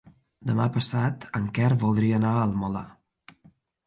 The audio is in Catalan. Demà passat en Quer voldria anar al Molar.